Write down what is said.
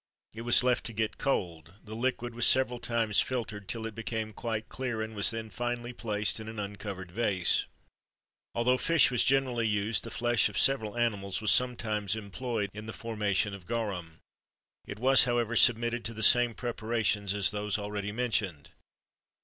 It was left to get cold; the liquid was several times filtered, till it became quite clear, and was then finally placed in an uncovered vase.[XXIII 34] Although fish was generally used, the flesh of several animals was sometimes employed in the formation of garum.[XXIII 35] It was, however, submitted to the same preparations as those already mentioned.